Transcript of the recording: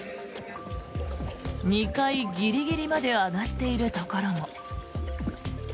２階ギリギリまで上がっているところも。